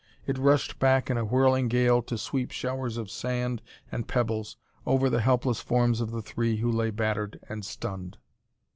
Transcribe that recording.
It rushed back in a whirling gale to sweep showers of sand and pebbles over the helpless forms of the three who lay battered and stunned.